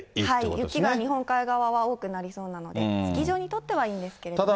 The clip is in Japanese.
雪が日本海側は多くなりそうなので、スキー場にとってはいいんですけれどもね。